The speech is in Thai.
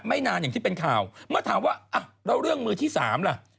นานอย่างที่เป็นข่าวเมื่อถามว่าอ่ะแล้วเรื่องมือที่สามล่ะ